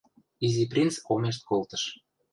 Изи принц омешт колтыш.